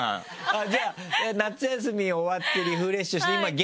じゃあ夏休み終わってリフレッシュして今元気だ？